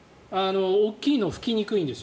大きいのは拭きにくいんです。